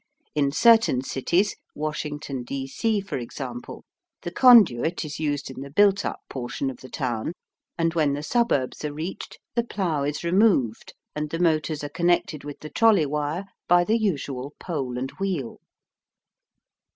In certain cities, Washington, D. C., for example, the conduit is used in the built up portion of the town and when the suburbs are reached the plow is removed and the motors are connected with the trolley wire by the usual pole and wheel.